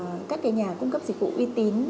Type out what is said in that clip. để lựa chọn các nhà cung cấp dịch vụ uy tín